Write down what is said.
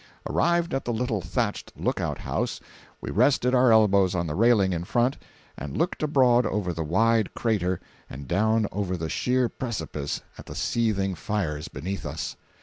Arrived at the little thatched lookout house, we rested our elbows on the railing in front and looked abroad over the wide crater and down over the sheer precipice at the seething fires beneath us.